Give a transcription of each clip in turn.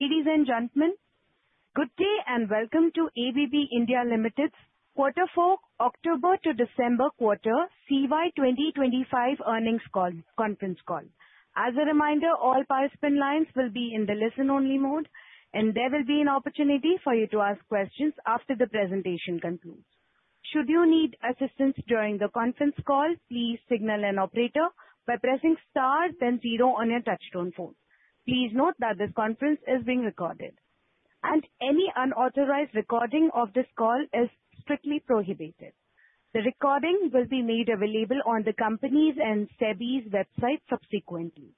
Ladies and gentlemen, good day, and welcome to ABB India Limited's Q4, October to December quarter, CY 2025 earnings conference call. As a reminder, all participant lines will be in the listen-only mode, and there will be an opportunity for you to ask questions after the presentation concludes. Should you need assistance during the conference call, please signal an operator by pressing star then zero on your touch-tone phone. Please note that this conference is being recorded, and any unauthorized recording of this call is strictly prohibited. The recording will be made available on the company's and SEBI's website subsequently.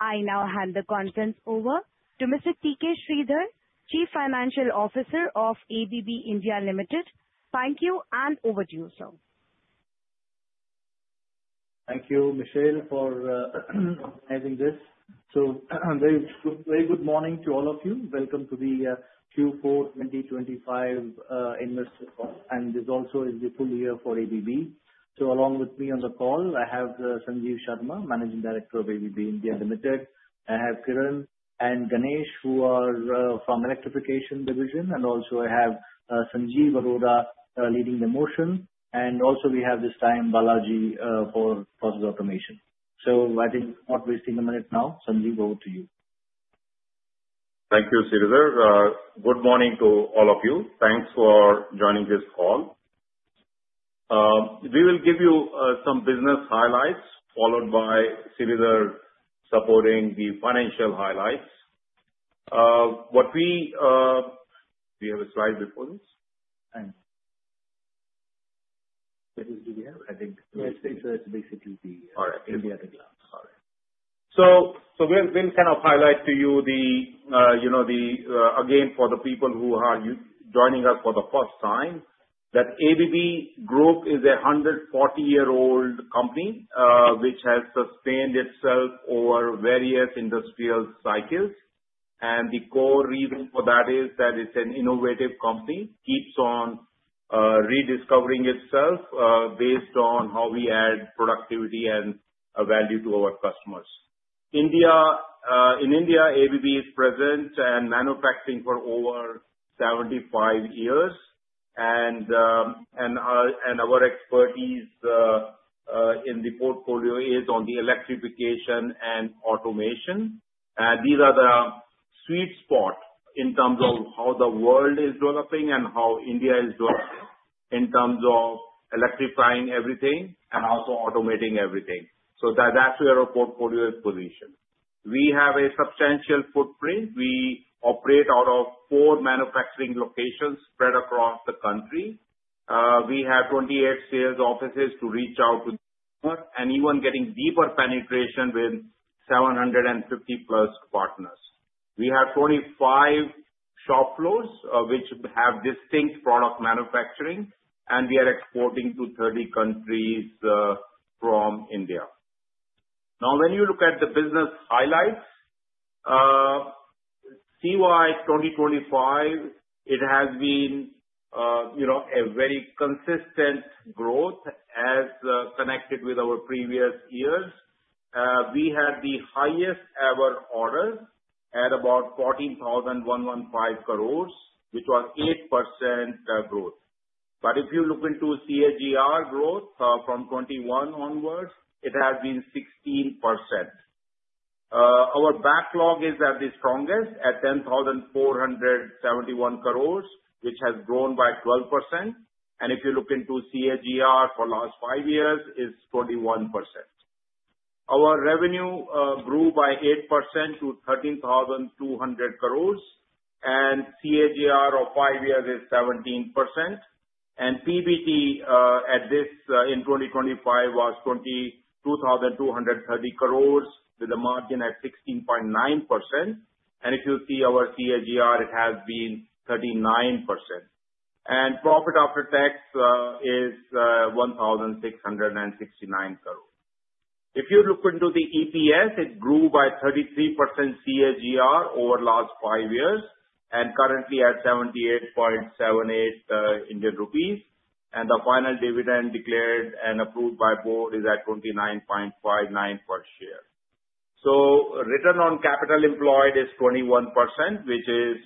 I now hand the conference over to Mr. T.K. Sridhar, Chief Financial Officer of ABB India Limited. Thank you, and over to you, sir. Thank you, Michelle, for organizing this. Very good, very good morning to all of you. Welcome to the Q4 2025 earnings call, and this is also the full year for ABB. Along with me on the call, I have Sanjeev Sharma, Managing Director of ABB India Limited. I have Kiran and Ganesh, who are from Electrification Division, and also I have Sanjeev Arora leading the Motion. Also we have this time, Balaji, for Process Automation. I think not wasting a minute now, Sanjeev, over to you. Thank you, Sridhar. Good morning to all of you. Thanks for joining this call. We will give you some business highlights, followed by Sridhar supporting the financial highlights. What we... Do you have a slide before this? Thanks. That is the end, I think. Yes, it's, basically. All right. India at a glance. All right. We've been kind of highlight to you, you know, again, for the people who are joining us for the first time, that ABB Group is a 140-year-old company, which has sustained itself over various industrial cycles. The core reason for that is that it's an innovative company, keeps on rediscovering itself based on how we add productivity and value to our customers. India, in India, ABB is present and manufacturing for over 75 years, and our expertise in the portfolio is on the Electrification and Automation. These are the sweet spots in terms of how the world is developing and how India is developing, in terms of electrifying everything and also automating everything. That's where our portfolio is positioned. We have a substantial footprint. We operate out of four manufacturing locations spread across the country. We have 28 sales offices to reach out to, and even getting deeper penetration with 750+ partners. We have 45 shop floors, which have distinct product manufacturing, and we are exporting to 30 countries from India. Now, when you look at the business highlights, CY 2025, it has been, you know, a very consistent growth as connected with our previous years. We had the highest ever orders at about 14,115 crore, which was 8% growth. If you look at CAGR growth, from 2021 onwards, it has been 16%. Our backlog is at its strongest at 10,471 crore, which has grown by 12%. If you look at the CAGR for last five years, is 41%. Our revenue grew by 8% to 13,200 crore. CAGR of five years is 17%. PBT at this in 2025 was 2,230 crore, with a margin at 16.9%. If you see our CAGR, it has been 39%. Profit after tax is 1,669 crore. If you look into the EPS, it grew by 33% CAGR over last five years, and currently at 78.78 Indian rupees. The final dividend declared and approved by board is at 29.59 per share. Return on capital employed is 21%, which is,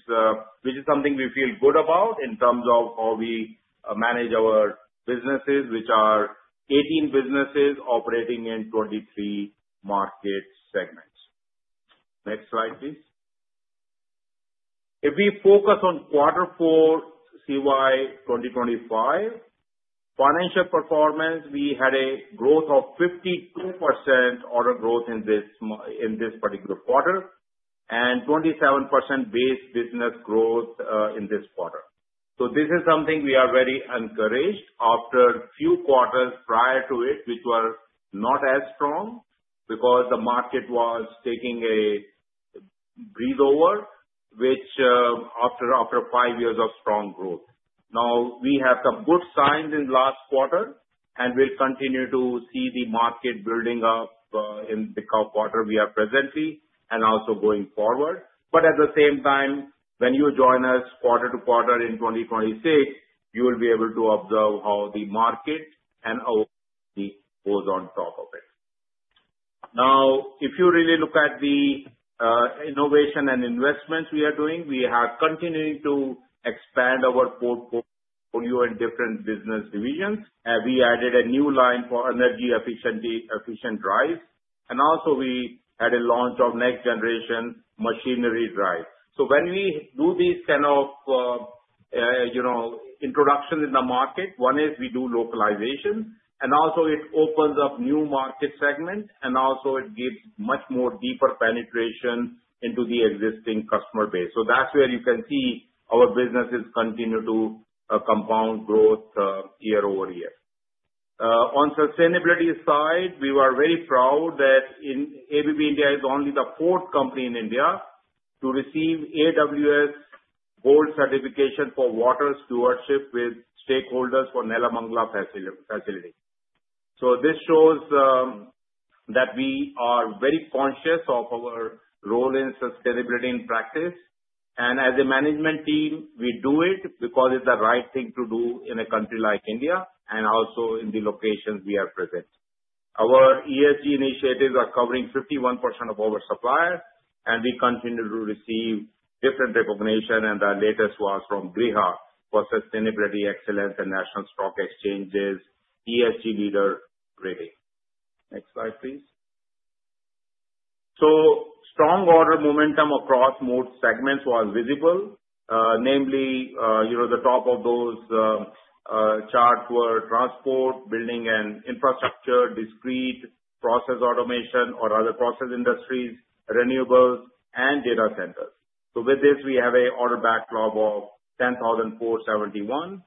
which is something we feel good about in terms of how we manage our businesses, which are 18 businesses operating in 23 market segments. Next slide, please. If we focus on Q4, CY 2025, financial performance, we had a growth of 52% order growth in this in this particular quarter, and 27% base business growth in this quarter. This is something we are very encouraged after a few quarters prior to it, which were not as strong because the market was taking a breath over, which after five years of strong growth. Now, we have some good signs in last quarter, and we'll continue to see the market building up in the quarter we are presently and also going forward. At the same time, when you join us quarter-to-quarter in 2026, you will be able to observe how the market and how the market goes on top of it. If you really look at the innovation and investments we are doing, we are continuing to expand our portfolio in different business divisions. We added a new line for energy-efficient drives, and also we had a launch of next generation machinery drives. When we do these kind of, you know, introduction in the market, one is we do localization, and also it opens up new market segments, and also it gives much more deeper penetration into the existing customer base. That's where you can see our businesses continue to compound growth year-over-year. On sustainability side, we were very proud that ABB India is only the fourth company in India to receive AWS Gold Certification for water stewardship with stakeholders for Nelamangala facility. This shows that we are very conscious of our role in sustainability and practice. As a management team, we do it because it's the right thing to do in a country like India and also in the locations we are present. Our ESG initiatives are covering 51% of our suppliers, and we continue to receive different recognition, and our latest was from GRIHA for Sustainability Excellence and National Stock Exchange's ESG Leader Rating. Next slide, please. Strong order momentum across more segments was visible. Namely, you know, the top of those charts were transport, building and infrastructure, discrete process automation or other process industries, renewables and data centers. With this, we have an order backlog of 10,471.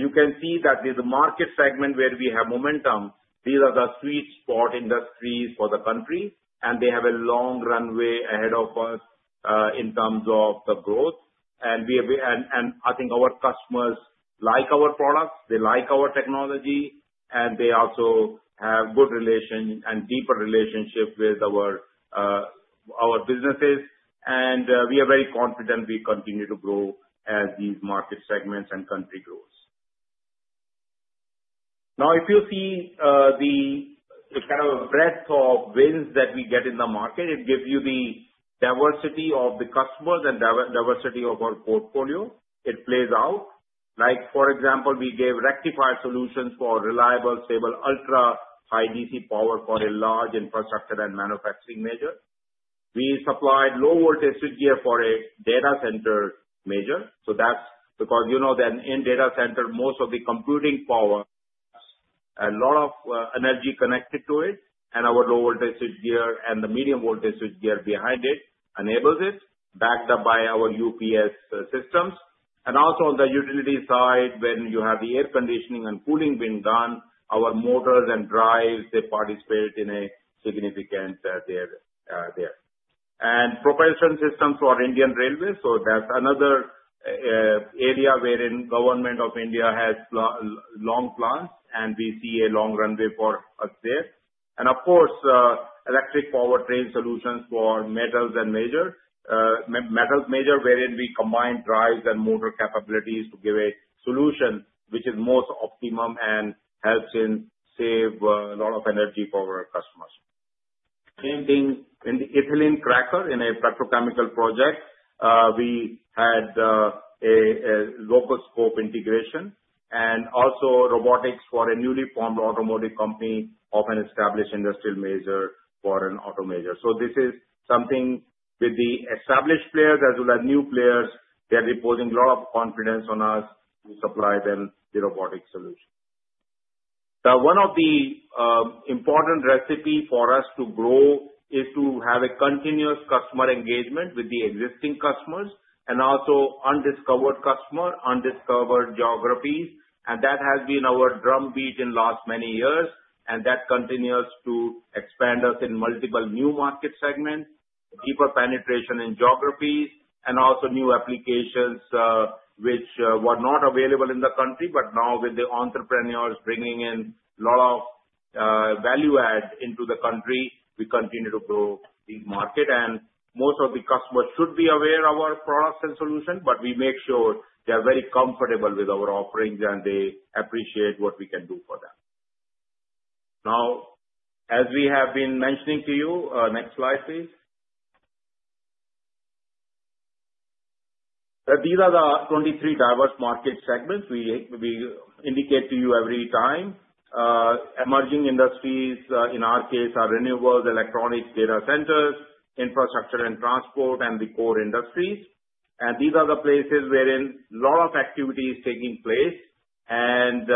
You can see that the market segment where we have momentum, these are the sweet spot industries for the country. They have a long runway ahead of us in terms of the growth. We, and I think our customers like our products, they like our technology, and they also have good relation and deeper relationship with our businesses. We are very confident we continue to grow as these market segments and country grows. If you see the kind of breadth of wins that we get in the market, it gives you the diversity of the customers and diversity of our portfolio. It plays out. Like, for example, we gave rectifier solutions for reliable, stable, ultra high DC power for a large infrastructure and manufacturing major. We supplied low voltage gear for a data center major, so that's because, you know that in data center, most of the computing power, a lot of energy connected to it, and our low voltage gear and the medium voltage gear behind it enables it, backed up by our UPS systems. Also on the utility side, when you have the air conditioning and cooling being done, our motors and drives, they participate in a significant there. Propulsion systems for Indian Railways. That's another area where in government of India has long plans, and we see a long runway for us there. Of course, electric powertrain solutions for metals and major metals major, wherein we combine drives and motor capabilities to give a solution which is most optimum and helps in save a lot of energy for our customers. Same thing in the ethylene cracker in a petrochemical project, we had a local scope integration and also robotics for a newly formed automotive company of an established industrial major for an auto major. This is something with the established players as well as new players, they are reposing a lot of confidence on us. We supply them the robotic solution. One of the important recipes for us to grow is to have a continuous customer engagement with the existing customers and also uncovered customer, undiscovered geographies, and that has been our drumbeat over the last many years, and that continues to expand us in multiple new market segments, deeper penetration in geographies, and also new applications which were not available in the country. Now with the entrepreneurs bringing in a lot of value add into the country, we continue to grow the market. Most customers should be aware of our products and solution, but we make sure they are very comfortable with our offerings, and they appreciate what we can do for them. As we have been mentioning to you, next slide, please. These are the 23 diverse market segments we, we indicate to you every time. Emerging industries, in our case, are renewables, electronics, data centers, infrastructure and transport, and the core industries. These are the places wherein a lot of activity is taking place, and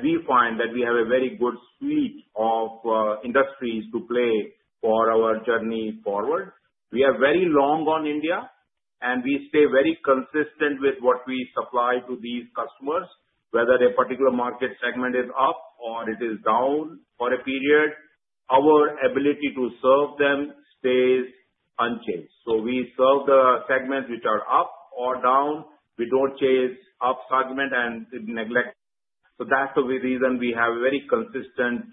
we find that we have a very good suite of industries to play for our journey forward. We are very long on India, and we stay very consistent with what we supply to these customers. Whether a particular market segment is up or it is down for a period, our ability to serve them stays unchanged. We serve the segments which are up or down. We don't chase up segment and neglect. That's the reason we have a very consistent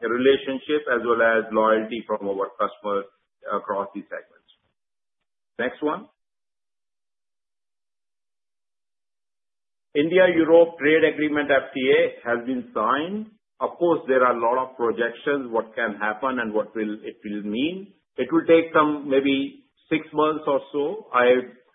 relationship as well as loyalty from our customers across these segments. Next one. India-Europe Trade Agreement, FTA, has been signed. Of course, there are a lot of projections, what can happen and what will, it will mean. It will take some maybe six months or so. I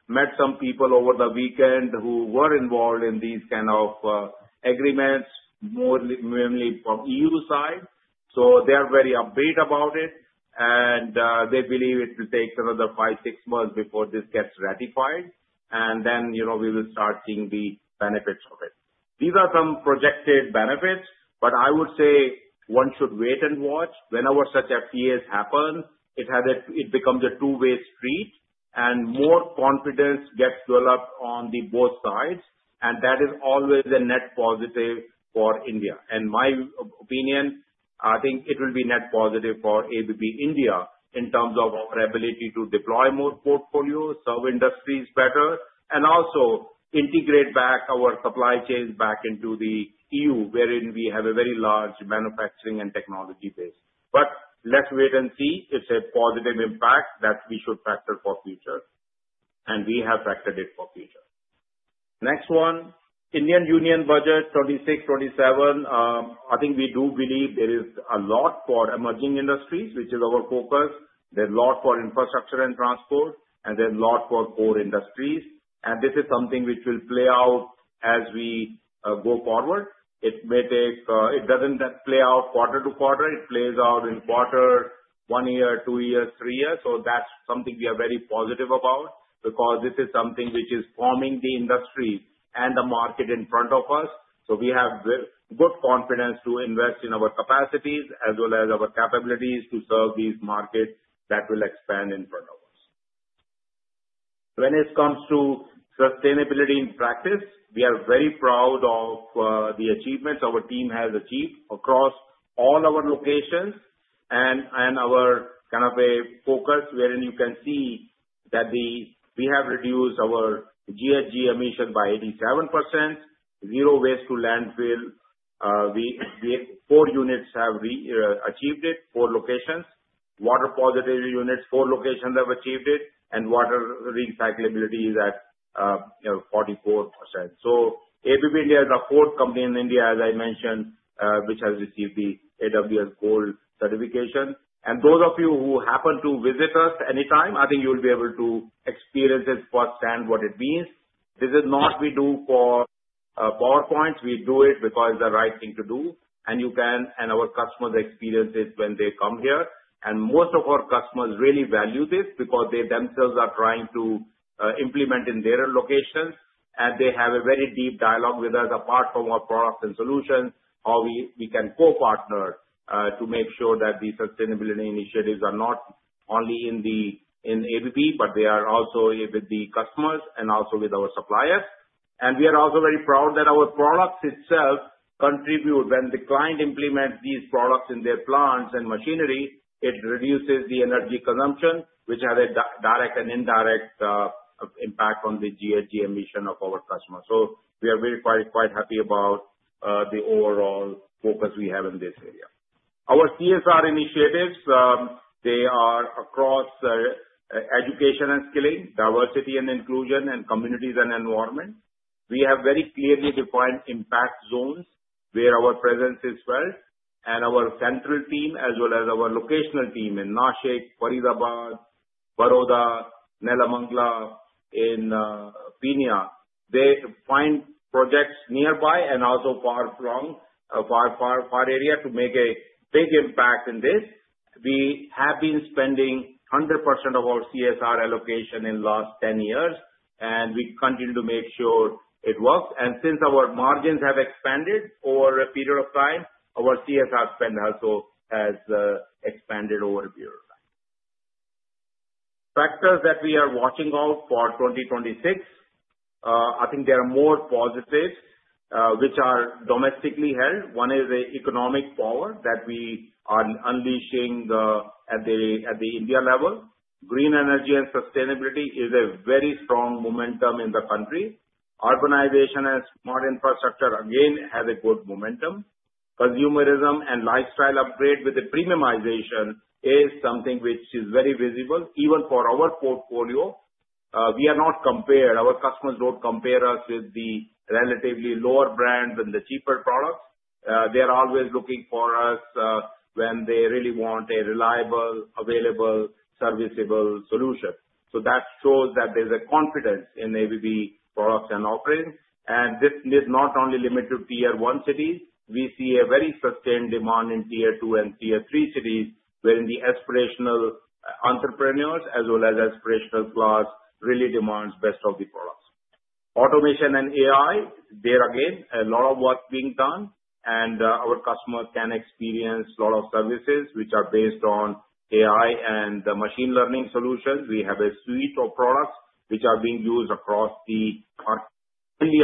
met some people over the weekend who were involved in these kinds of agreements, more mainly from EU side, so they are very upbeat about it, and they believe it will take another five, six months before this gets ratified, and then, you know, we will start seeing the benefits of it. These are some projected benefits, but I would say one should wait and watch. Whenever such FTAs happen, it has it becomes a two-way street, and more confidence gets developed on the both sides, and that is always a net positive for India. In my opinion, I think it will be net positive for ABB India, in terms of our ability to deploy more portfolios, serve industries better, and also integrate back our supply chains back into the EU, wherein we have a very large manufacturing and technology base. Let's wait and see. It's a positive impact that we should factor for future, and we have factored it for future. Next one, Indian Union budget, 2026, 2027. I think we do believe there is a lot for emerging industries, which is our focus. There's a lot for infrastructure and transport, and there's a lot for core industries. This is something which will play out as we go forward. It may take. It doesn't just play out quarter-to-quarter, it plays out in quarter, one year, two years, three years. That's something we are very positive about, because this is something which is forming the industry and the market in front of us. We have good confidence to invest in our capacities as well as our capabilities to serve these markets that will expand in front of us. When it comes to sustainability in practice, we are very proud of the achievements our team has achieved across all our locations. And our kind of a focus, wherein you can see that we have reduced our GHG emission by 87%, zero waste to landfill. We four units have achieved it, four locations. Water positive units, four locations have achieved it, and water recyclability is at, you know, 44%. ABB India is the fourth company in India, as I mentioned, which received the AWS Gold Certification. Those of you who happen to visit us anytime, I think you'll be able to experience it firsthand what it means. This is not we do for PowerPoints, we do it because it's the right thing to do, and you can, and our customers experience it when they come here. Most of our customers really value this because they themselves are trying to implement in their locations, and they have a very deep dialogue with us apart from our products and solutions, how we, we can co-partner to make sure that the sustainability initiatives are not only in ABB, but they are also with the customers and also with our suppliers. We are also very proud that our products itself contribute. When the client implement these products in their plants and machinery, it reduces the energy consumption, which has a direct and indirect impact on the GHG emission of our customers. We are quite happy about the overall focus we have in this area. Our CSR initiatives are across education and skilling, diversity and inclusion, and communities and environment. We have very clearly defined impact zones where our presence is felt, and our central team, as well as our locational team in Nashik, Faridabad, Vadodara, Nelamangala, in Peenya. They find projects nearby and also far flung area to make a big impact in this. We have been spending 100% of our CSR allocation in last 10 years, and we continue to make sure it works. Since our margins have expanded over a period of time, our CSR spend also has expanded over a period of time. Factors that we are watching out for 2026, I think there are more positives which are domestically held. One is a economic power that we are unleashing at the India level. Green energy and sustainability is a very strong momentum in the country. Urbanization and smart infrastructure again, has a good momentum. Consumerism and lifestyle upgrade with the premiumization is something which is very visible even for our portfolio. We are not compared, our customers don't compare us with the relatively lower brands and the cheaper products. They are always looking for us when they really want a reliable, available, serviceable solution. That shows that there's a confidence in ABB products and offering. This is not only limited to Tier 1 cities, we see a very sustained demand in Tier 2 and Tier 3 cities, wherein the aspirational entrepreneurs, as well as aspirational class, really demands best of the products. Automation and AI, there again, a lot of work being done, and our customers can experience a lot of services which are based on AI and machine learning solutions. We have a suite of products which are being used across the country, in the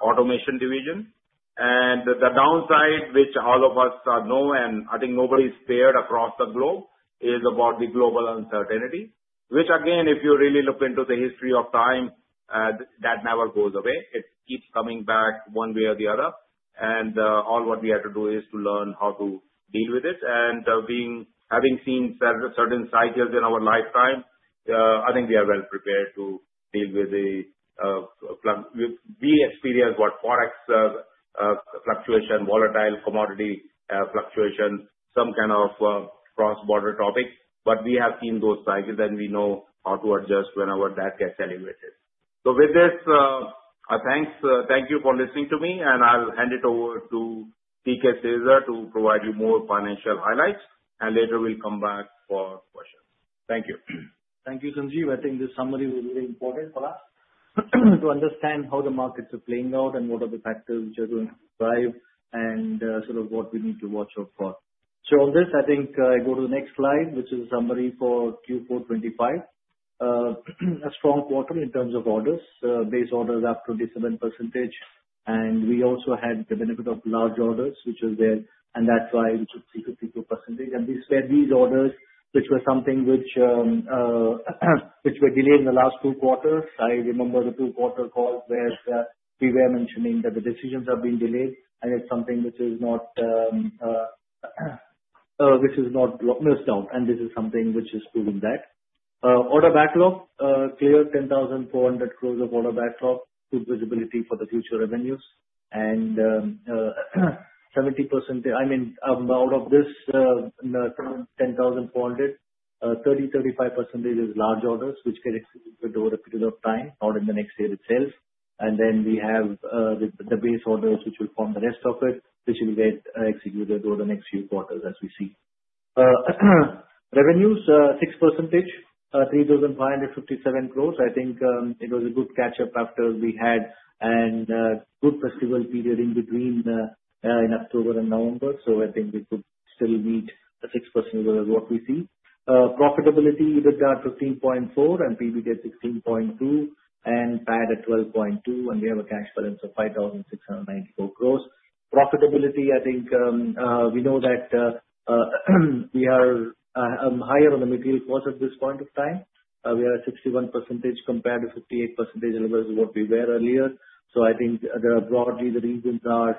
automation division. The downside, which all of us know, and I think nobody is spared across the globe, is about the global uncertainty. Again, if you really look into the history of time, that never goes away. It keeps coming back one way or the other. All what we have to do is to learn how to deal with it. having seen certain cycles in our lifetimes, I think we are well prepared to deal with the, we have experienced Forex fluctuations, volatile commodity fluctuation, some kind of cross-border topic, we have seen those cycles, and we know how to adjust whenever that gets elevated. With this, I thank you for listening to me, and I'll hand it over to T.K. Sridhar, to provide you more financial highlights, and later we'll come back for questions. Thank you. Thank you, Sanjeev. I think this summary was really important for us, to understand how the markets are playing out and what are the factors which are going to drive, sort of what we need to watch out for. On this, I think, I go to the next slide, which is a summary for Q4 2025. A strong quarter in terms of orders. Base orders are up 27%, and we also had the benefit of large orders, which was there, and that's why we should see 52%. These were these orders, which were something which, which were delayed in the last two quarters. I remember the two quarterly calls where we were mentioning that the decisions have been delayed, and it's something which is not which is not written down, and this is something which is proving that. Order backlog cleared 10,400 crore of order backlog, good visibility for the future revenues 70%. I mean, out of this 10,400, 30%-35% is large orders, which get executed over a period of time, not in the next year itself. Then we have the base orders, which will form the rest of it, which will get executed over the next few quarters, as we see. Revenues, 6%, 3,557 crore. I think, it was a good catch up after we had and good festival period in between in October and November, I think we could still meet the 6% of what we see. Profitability, we got 13.4% and EBITDA 16.2% and PAT at 12.2%, and we have a cash balance of 5,694 crore. Profitability, I think, we know that, we are higher on the material cost at this point of time. We are at 61% compared to 58% in regards to what we were earlier. I think, the broadly, the reasons are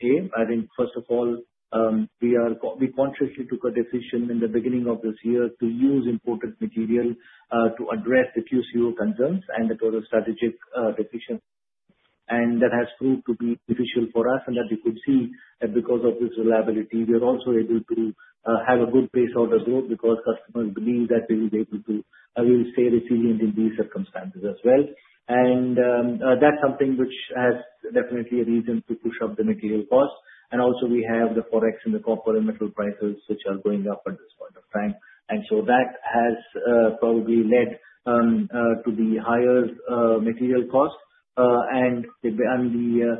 same. I think first of all, we consciously took a decision in the beginning of this year to use important material to address the QCO concerns and the total strategic decisions. That has proved to be beneficial for us and that you could see that because of this reliability, we are also able to have a good base order growth because customers believe that we will be able to we will stay resilient in these circumstances as well. That's something which has definitely a reason to push up the material cost. Also we have the Forex and the copper and metal prices, which are going up at this point of time. So that has probably led to the higher material costs, and the, and the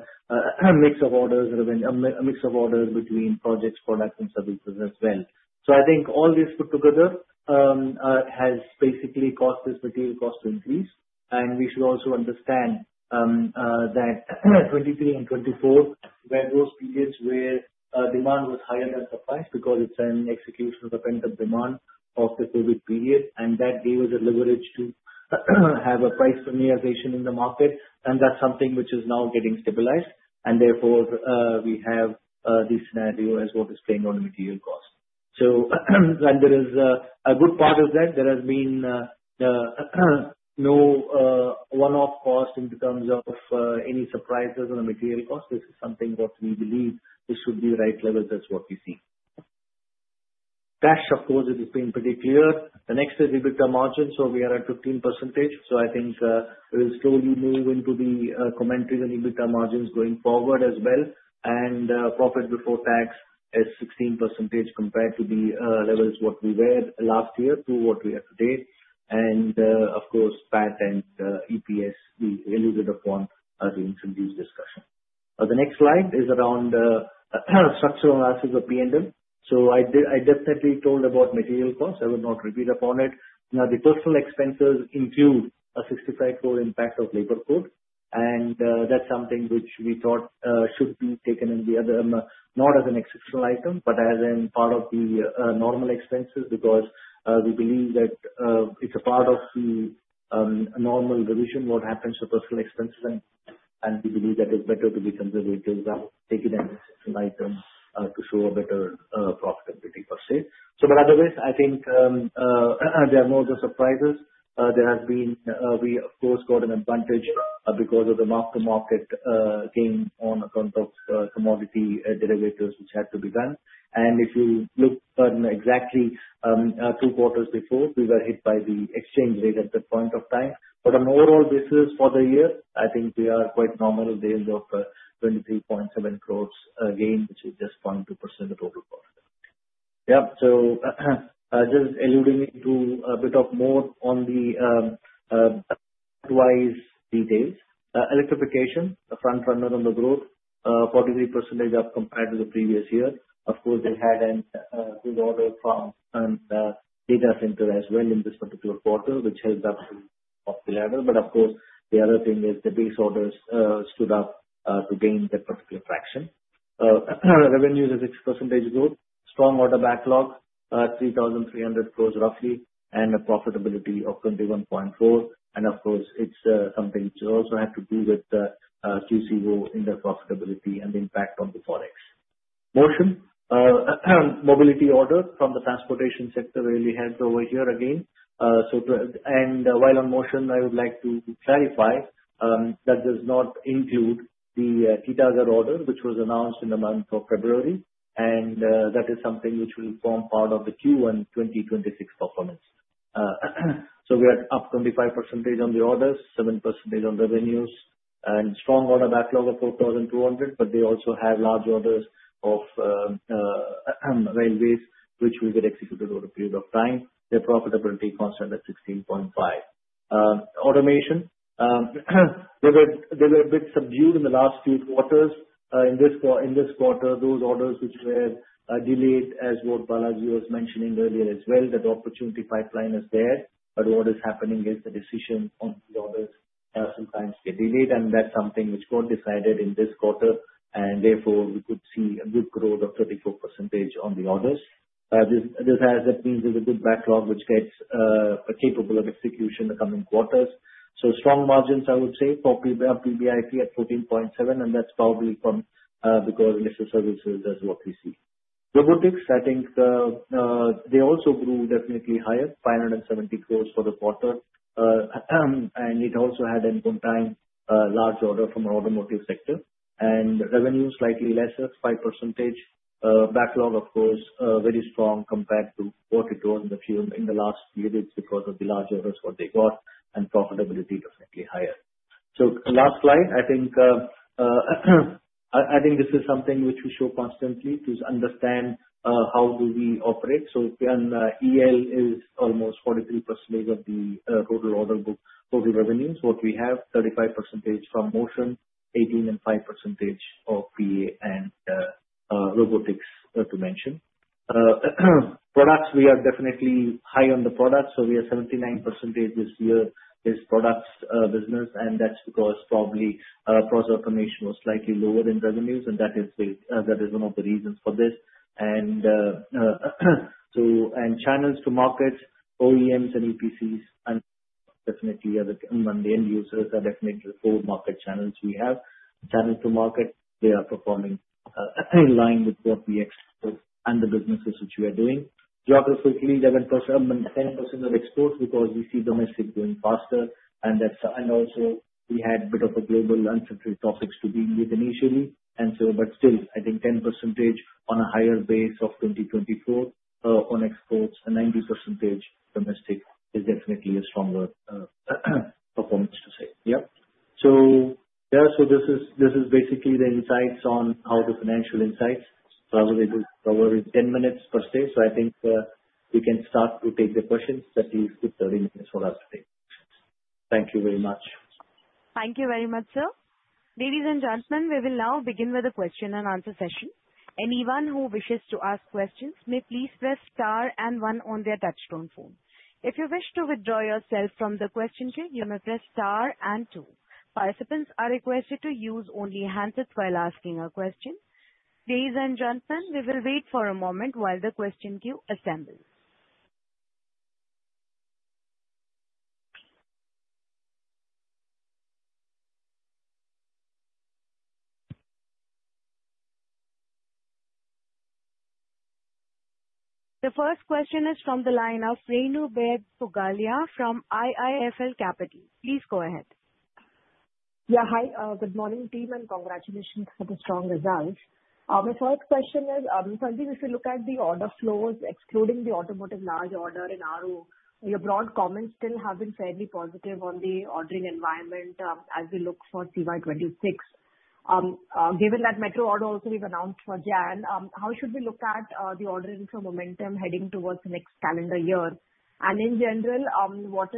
mix of orders, a mix of orders between projects, products, and services as well. I think all this put together has basically caused this material cost to increase. We should also understand, 2023 and 2024 were those periods where demand was higher than supply, because it's an execution of the pent-up demand of the COVID period, and that gave us a leverage to have a price normalization in the market. That's something which is now getting stabilized, and therefore, we have this scenario as what is playing on the material cost. like there is a good part of that, there has been no one-off cost in terms of any surprises on the material cost. This is something that we believe this should be the right level, that's what we see. Cash, of course, it has been pretty clear. The next is EBITDA margin, so we are at 15%. I think we will slowly move into the commentary on EBITDA margins going forward as well. Profit before tax is 16% compared to the levels what we were last year to what we are today. Of course, PAT and EPS, we alluded upon in Sanjeev's discussion. The next slide is around structural analysis of P&L. I definitely told about material costs. I will not repeat upon it. The personal expenses include an 65 crore impact of labor costs, and, that's something which we thought, should be taken in the other, not as an exceptional item, but as in part of the, normal expenses, because, we believe that, it's a part of the, normal division, what happens to personal expenses, and we believe that it's better to be conservative than take it as item, to show a better, profitability per se. Otherwise, I think, there are no other surprises. There have been, we, of course, got an advantage, because of the mark-to-market, gain on account of, commodity, derivatives, which had to be done. If you look on exactly, two quarters before, we were hit by the exchange rate at that point of time. On overall basis for the year, I think we are quite normal in the end of 23.7 crore gain, which is just 12% of total cost. Yeah. Just alluding to a bit of more on the wise details. Electrification, the frontrunner on the growth, 43% up compared to the previous year. Of course, they had an good order from data center as well in this particular quarter, which helped up of the ladder. Of course, the other thing is the base orders stood up to gain that particular fraction. Revenues is 6% growth, strong order backlog, 3,300 crore roughly, and a profitability of 21.4%. Of course, it's something which will also have to do with the QCO in the profitability and the impact of the Forex. Motion mobility order from the transportation sector really helps over here again. While on Motion, I would like to clarify that does not include the Titagarh order, which was announced in the month of February, that is something which will form part of the Q1 2026 performance. We are up 25% on the orders, 7% on the revenues, and strong order backlog of 4,200, they also have large orders of railways, which will get executed over a period of time. Their profitability constant at 16.5%. Automation, they were a bit subdued in the last few quarters. In this quarter, those orders which were delayed, as what Balaji was mentioning earlier as well, that the opportunity pipeline is there, but what is happening is the decision on the orders sometimes get delayed, and that's something which got decided in this quarter, and therefore we could see a good growth of 34% on the orders. This, this has means there's a good backlog which gets capable of execution in the coming quarters. Strong margins, I would say, for PBIT at 14.7%, and that's probably from because services is what we see. Robotics, I think, they also grew definitely higher, 570 crore for the quarter. It also had in one time a large order from the automotive sector. Revenue slightly lesser, 5%. Backlog, of course, very strong compared to what it was in the few, in the last few years because of the large orders what they got, and profitability definitely higher. Last slide, I think this is something which we show constantly to understand how do we operate. EL is almost 43% of the total order book, total revenues. What we have, 35% from Motion, 18% and 5% of PA and Robotics to mention. Products, we are definitely high on the products, we are 79% this year is products business. That's because probably, Process Automation was slightly lower in revenues, and that is one of the reasons for this. Channels to market, OEMs and EPCs are definitely among the end users are definitely the four market channels we have. Channel to market, they are performing in line with what we expect and the businesses which we are doing. Geographically, 11%, 10% of exports because we see domestic growing faster, and that's, and also we had a bit of a global uncertainty topics to deal with initially. I think 10% on a higher base of 2024 on exports and 90% domestic is definitely a stronger performance to say. This is, this is basically the insights on all the financial insights. Probably this cover is 10 minutes per se, so I think we can start to take the questions, that is, with the remaining for us today. Thank you very much. Thank you very much, sir. Ladies and gentlemen, we will now begin with the question and answer session. Anyone who wishes to ask questions may please press star and one on their touchtone phone. If you wish to withdraw yourself from the question queue, you may press star and two. Participants are requested to use only handsets while asking a question. Ladies and gentlemen, we will wait for a moment while the question queue assembles. The first question is from the line of Renu Baid Tugalia from IIFL Capital. Please go ahead. Yeah. Hi, good morning, team, congratulations for the strong results. My first question is, Sanjeev, if you look at the order flows, excluding the automotive large order in RO, your broad comments still have been fairly positive on the ordering environment, as we look for CY 2026. Given that metro order also you've announced for January, how should we look at the ordering for momentum heading towards the next calendar year? In general, what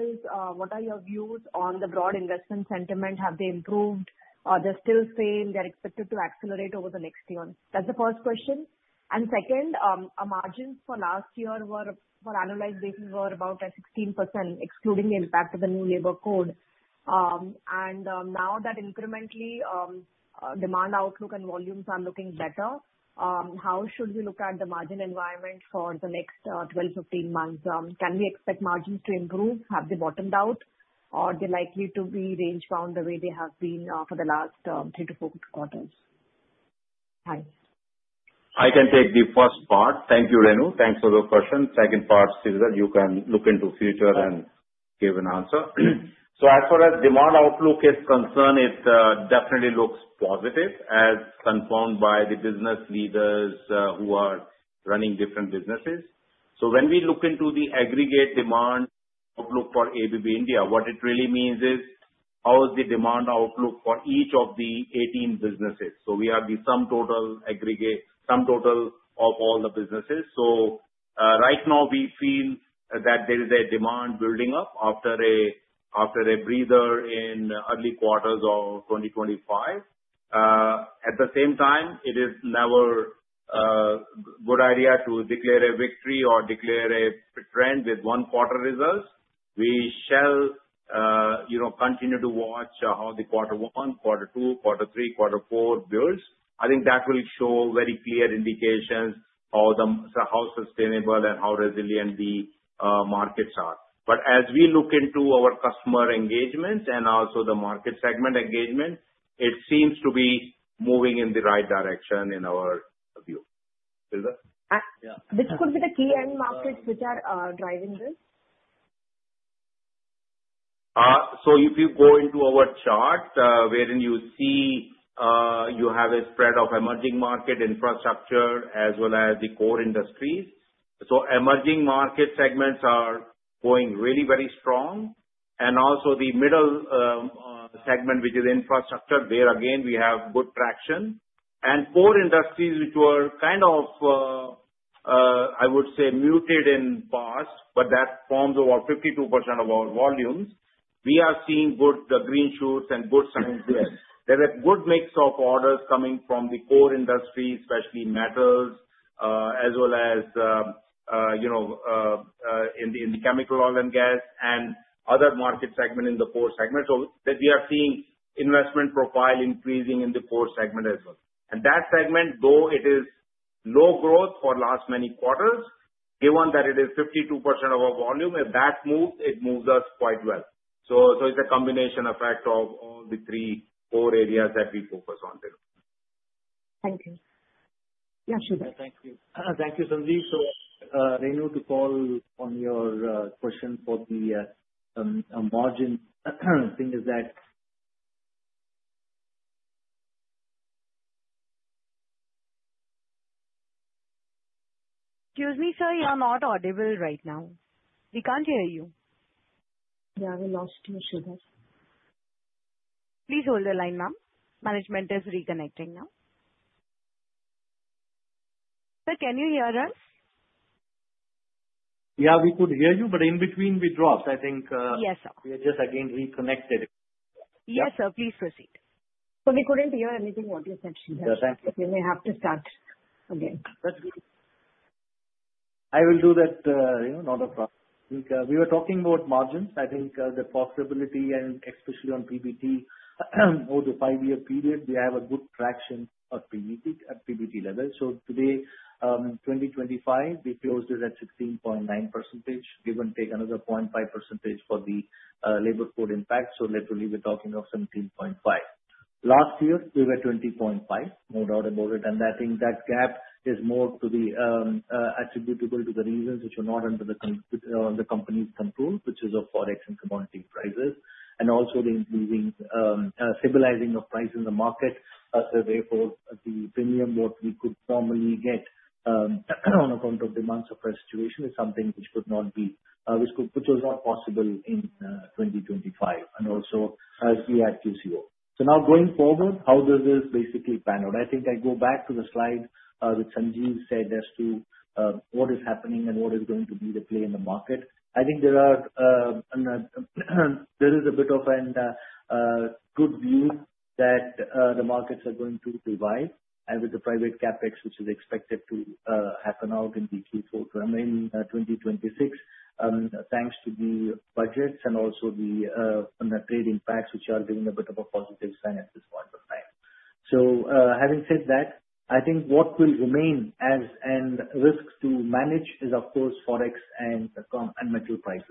are your views on the broad investment sentiment? Have they improved, or they're still same, they're expected to accelerate over the next year? That's the first question. Second, our margins for last year were, for annualized basis, were about 16%, excluding the impact of the new labor code. Now that incrementally, demand outlook and volumes are looking better, how should we look at the margin environment for the next 12-15 months? Can we expect margins to improve? Have they bottomed out, or they're likely to be range-bound the way they have been, for the last three to four quarters? Hi. I can take the first part. Thank you, Renu. Thanks for the question. Second part, Sridhar, you can look into future and give an answer. As far as demand outlook is concerned, it definitely looks positive, as confirmed by the business leaders who are running different businesses. When we look into the aggregate demand outlook for ABB India, what it really means is, how is the demand outlook for each of the 18 businesses? We are the sum total aggregate, sum total of all the businesses. Right now, we feel that there is a demand building up after a breather in early quarters of 2025. At the same time, it is never a good idea to declare a victory or declare a trend with one quarter results. We shall, you know, continue to watch how the Q1, Q2, Q3, Q4 builds. I think that will show very clear indications of the, how sustainable and how resilient the markets are. As we look into our customer engagements and also the market segment engagement, it seems to be moving in the right direction in our view. Hilda? This could be the key end markets which are driving this? If you go into our chart, wherein you see, you have a spread of emerging market infrastructure as well as the core industries. Emerging market segments are going really very strong. Also the middle segment, which is infrastructure, there again, we have good traction. Core industries, which were kind of, I would say muted in past, but that forms over 52% of our volumes. We are seeing good green shoots and good signs there. There are good mix of orders coming from the core industry, especially metals, as well as, you know, in the chemical, oil and gas and other market segment in the core segment. That we are seeing investment profile increasing in the core segment as well. That segment, though it is low growth for last many quarters, given that it is 52% of our volume, if that moves, it moves us quite well. So it's a combination effect of all the three core areas that we focus on, Hilda. Thank you. Yeah, sure. Thank you. Thank you, Sanjeev. Renu, to follow on your question for the on margin, thing is that- Excuse me, sir, you are not audible right now. We can't hear you. Yeah, we lost you, Sridhar. Please hold the line, ma'am. Management is reconnecting now. Sir, can you hear us? Yeah, we could hear you, but in between we dropped. I think. Yes, sir. We just again reconnected. Yes, sir. Please proceed. We couldn't hear anything what you said, Sridhar. Yeah, thank you. You may have to start again. I will do that, you know, not a problem. We, we were talking about margins. I think, the profitability and especially on PBT, over the 5-year period, we have a good traction of PBT, at PBT level. Today, 2025, we closed it at 16.9%, give and take another 0.5% for the labor code impact. Literally we're talking of 17.5. Last year we were 20.5, no doubt about it, and I think that gap is more to the attributable to the reasons which are not under the company's control, which is of Forex and commodity prices, and also the increasing stabilizing of price in the market. Therefore, the premium what we could normally get on account of demand supply situation is something which was not possible in 2025, and also as we had QCO. Now going forward, how does this basically pan out? I think I go back to the slide which Sanjeev said as to what is happening and what is going to be the play in the market. I think there are, there is a bit of an good view that the markets are going to revive and with the private CapEx, which is expected to happen out in the Q4, I mean, 2026, thanks to the budgets and also the rating impacts, which are giving a bit of a positive sign at this point of time. Having said that, I think what will remain as and risks to manage is, of course, Forex and metal prices,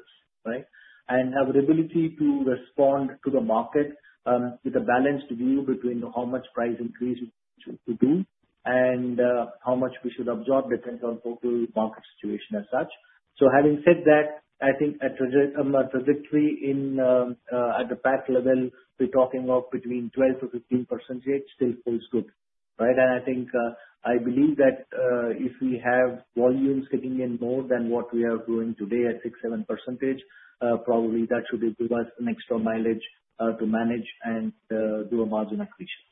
right? Our ability to respond to the market with a balanced view between how much price increase we should to do and how much we should absorb depends on total market situation as such. Having said that, I think a trajectory in at the back level, we're talking of between 12%-15% still feels good, right? I think, I believe that, if we have volumes sitting in more than what we are doing today at 6%, 7%, probably that should give us an extra mileage to manage and do a margin accretion.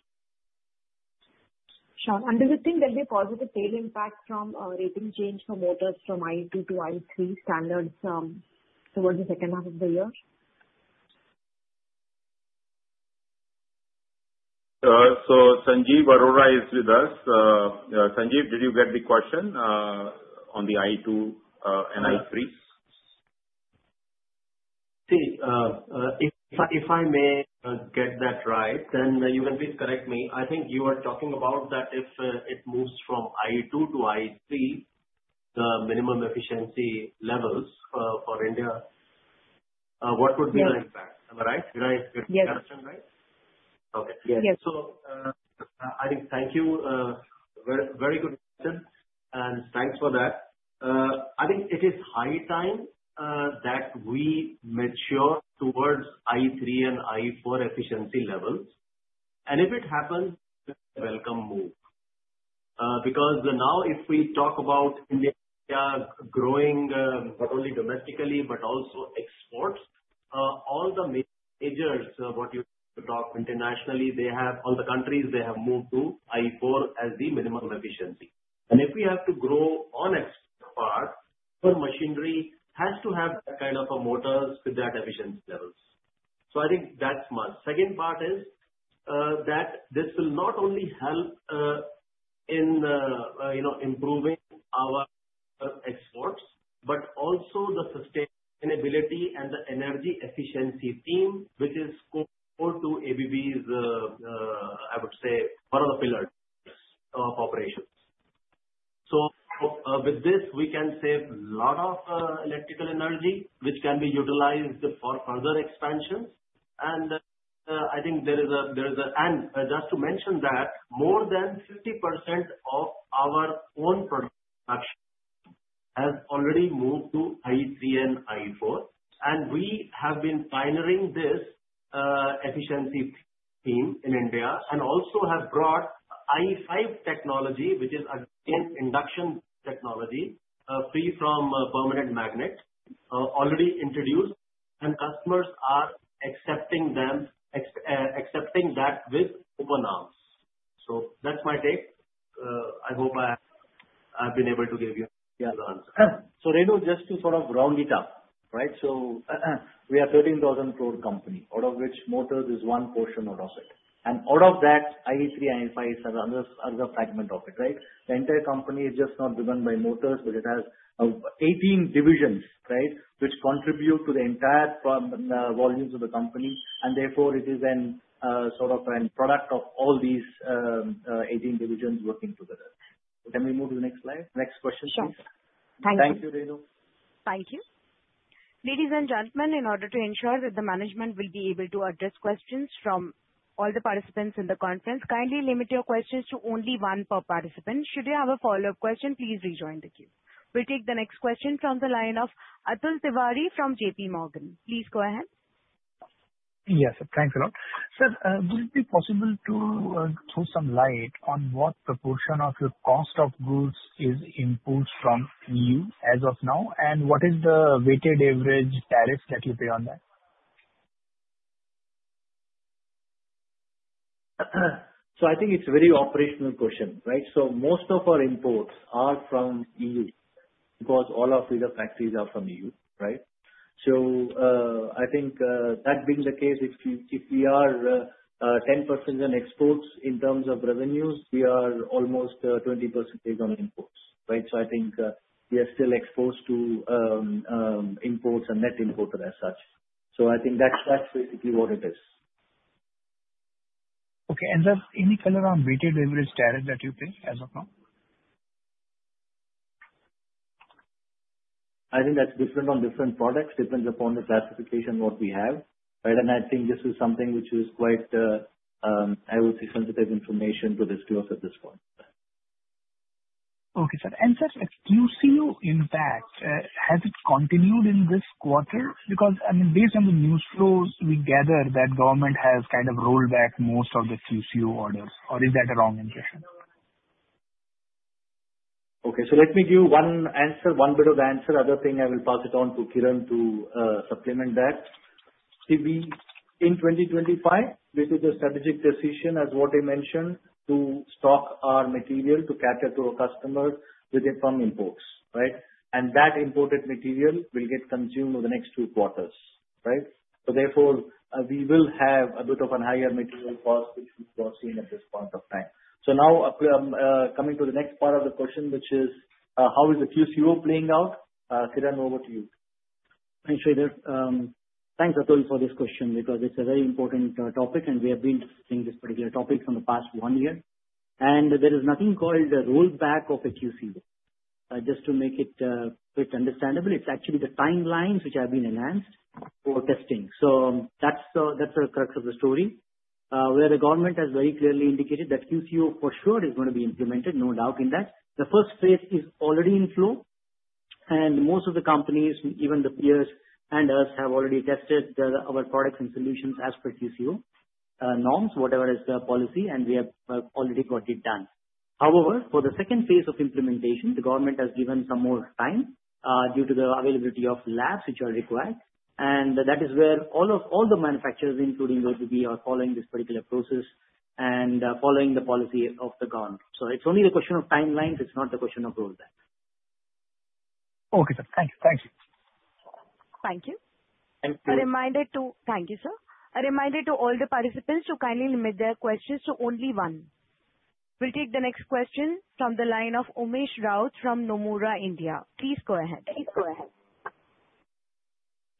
Sure. Do you think there'll be a positive tail impact from rating change for motors from IE2 to IE3 standards towards the second half of the year? Sanjeev Arora is with us. Sanjeev, did you get the question, on the IE2, and IE3? See, if I may, get that right, then you can please correct me. I think you are talking about that if, it moves from IE2 to IE3, the minimum efficiency levels, for India, what would be the impact? Yes. Am I right? Did I- Yes. Get the question right? Okay. Yes. I think thank you. Very, very good question, and thanks for that. I think it is high time that we mature towards IE3 and IE4 efficiency levels. If it happens, welcome move. Because now if we talk about India growing, not only domestically but also exports, all the majors, what you talk internationally, they have all the countries, they have moved to IE4 as the minimum efficiency. If we have to grow on export, our machinery has to have that kind of a motors with that efficiency levels. I think that's 1. Second part is that this will not only help in, you know, improving our exports, but also the sustainability and the energy efficiency theme, which is core to ABB's, I would say, one of the pillars of operations. With this, we can save a lot of electrical energy, which can be utilized for further expansions. I think just to mention that more than 50% of our own production has already moved to IE3 and IE4, and we have been pioneering this efficiency theme in India, and also have brought IE5 technology, which is again, induction technology, free from permanent magnets, already introduced, and customers are accepting them, accepting that with open arms. That's my take. I hope I've been able to give you the other answer. Renu, just to sort of round it up, right? We are a 13,000 crore company, out of which motors is one portion out of it, and out of that, IE3, IE5 are the fragment of it, right? The entire company is just not driven by motors, but it has 18 divisions, right, which contribute to the entire form, volumes of the company, and therefore it is then, sort of an product of all these, 18 divisions working together. Can we move to the next slide? Next question, please. Sure. Thank you. Thank you, Renu. Thank you. Ladies and gentlemen, in order to ensure that the management will be able to address questions from all the participants in the conference, kindly limit your questions to only one per participant. Should you have a follow-up question, please rejoin the queue. We'll take the next question from the line of Atul Tiwari from JPMorgan. Please go ahead. Yes, thanks a lot. Sir, would it be possible to throw some light on what proportion of your cost of goods is imported from EU as of now, and what is the weighted average tariffs that you pay on that? I think it's a very operational question, right? Most of our imports are from EU, because all of the other factories are from EU, right? I think that being the case, if we, if we are 10% on exports in terms of revenues, we are almost 20% on imports, right? I think we are still exposed to imports and net importer as such. I think that's basically what it is. Okay. Just any color on weighted average tariff that you pay as of now? I think that's different on different products, depends upon the classification, what we have. I think this is something which is quite, I would say, sensitive information to disclose at this point. Okay, sir. Just QCO impact, has it continued in this quarter? I mean, based on the news flows, we gather that government has kind of rolled back most of the QCO orders, or is that a wrong impression? Okay, let me give one answer, one bit of the answer. Other thing, I will pass it on to Kiran to supplement that. In 2025, this is a strategic decision, as what I mentioned, to stock our material, to cater to our customers with firm imports, right? That imported material will get consumed over the next two quarters, right? Therefore, we will have a bit of a higher material cost, which we foreseen at this point of time. Now, coming to the next part of the question, which is, how is the QCO playing out? Kiran, over to you. Thanks, Sridhar. Thanks, Atul, for this question, because it's a very important topic. We have been discussing this particular topic from the past one year. There is nothing called a rollback of a QCO. Just to make it quite understandable, it's actually the timelines which have been enhanced for testing. That's that's the crux of the story, where the government has very clearly indicated that QCO for sure is going to be implemented, no doubt in that. The first phase is already in flow, and most of the companies, even the peers and us, have already tested our products and solutions as per QCO norms, whatever is the policy, and we have already got it done. For the second phase of implementation, the government has given some more time, due to the availability of labs which are required, and that is where all of, all the manufacturers, including ABB, are following this particular process and, following the policy of the government. It's only the question of timelines, it's not the question of rollback. Okay, sir. Thank you. Thank you. Thank you. Thank you. Thank you, sir. A reminder to all the participants to kindly limit their questions to only one. We'll take the next question from the line of Umesh Raut from Nomura India. Please go ahead.